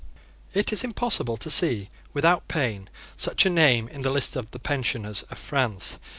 It is impossible to see without pain such a name in the list of the pensioners of France.